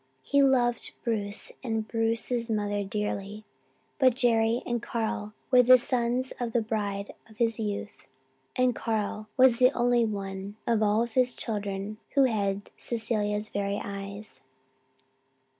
He loved Bruce and Bruce's mother dearly; but Jerry and Carl were the sons of the bride of his youth and Carl was the only one of all his children who had Cecilia's very eyes.